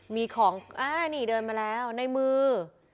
มีของอ่านี่เดินมาแล้วในมือ